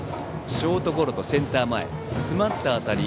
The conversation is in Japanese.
ショートゴロとセンター前への詰まった当たり。